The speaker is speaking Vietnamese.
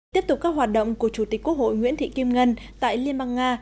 tiếp tục các hoạt động của chủ tịch quốc hội nguyễn thị kim ngân tại liên bang nga